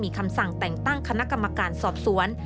มีคำสั่งแต่งตั้งคณะกรรมการสอบสวน